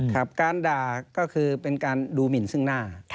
ครับการด่าก็คือเป็นการดูหมินซึ่งหน้า